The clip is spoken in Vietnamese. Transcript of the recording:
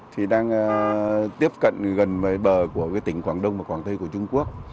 thì đang tiếp cận gần bờ của tỉnh quảng đông và quảng tây của trung quốc